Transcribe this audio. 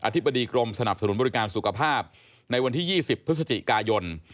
ธิบดีกรมสนับสนุนบริการสุขภาพในวันที่๒๐พฤศจิกายน